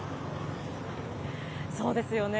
そうですよね。